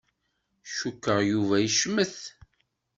Cukkeɣ Yuba yecmet.